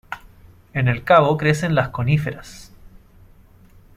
En el cabo crecen las coníferas.